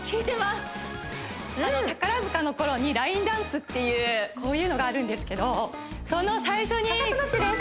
宝塚のころにラインダンスっていうこういうのがあるんですけどその最初にかかとタッチです